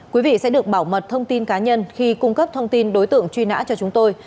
quý vị sẽ được bảo mật thông tin cá nhân khi cung cấp thông tin đối tượng truy nã cho chúng tôi